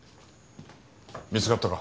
見つかったか？